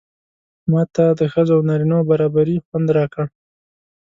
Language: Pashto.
ماته د ښځو او نارینه و برابري خوند راکړ.